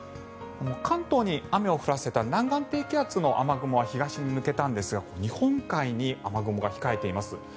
関東に雨を降らせた南岸低気圧の雨雲は東に抜けたんですが日本海に雨雲が控えています。